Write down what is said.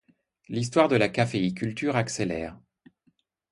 L'histoire de la caféiculture accélère.